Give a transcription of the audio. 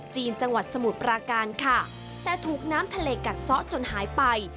ทะเลกัดซะจนหายไป